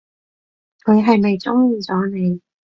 佢係咪中意咗你？